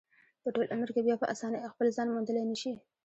په ټول عمر کې بیا په اسانۍ خپل ځان موندلی نشي.